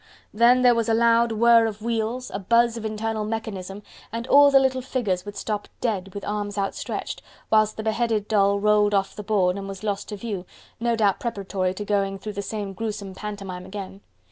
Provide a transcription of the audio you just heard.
Then there was a loud whirr of wheels, a buzz of internal mechanism, and all the little figures would stop dead with arms outstretched, whilst the beheaded doll rolled off the board and was lost to view, no doubt preparatory to going through the same gruesome pantomime again.